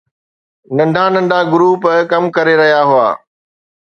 ننڍا ننڍا گروپ ڪم ڪري رهيا هئا